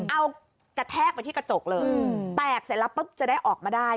เอากระแทกไปที่กระจกเลยแตกเสร็จแล้วปุ๊บจะได้ออกมาได้